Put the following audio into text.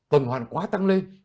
tần hoàn quá tăng lên